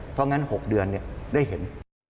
เพราะงั้น๖เดือนได้เห็น